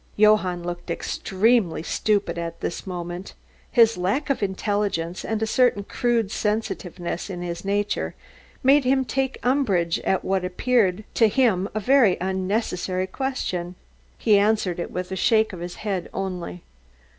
Johann looked extremely stupid at this moment. His lack of intelligence and a certain crude sensitiveness in his nature made him take umbrage at what appeared to him a very unnecessary question. He answered it with a shake of the head only.